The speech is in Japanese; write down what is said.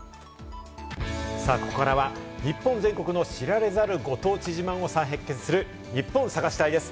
ここからは日本全国の知られざるご当地自慢を再発見するニッポン探し隊！です。